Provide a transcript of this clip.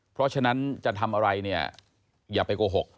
เพราะฉะนั้นจะทำอะไรเนี่ยอย่าไปโกหก